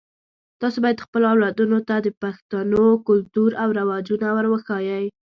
تاسو باید خپلو اولادونو ته د پښتنو کلتور او رواجونه ور وښایئ